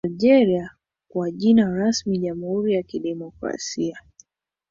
Algeria kwa jina rasmi Jamhuri ya kidemokrasia